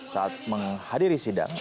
saat menghadiri sidang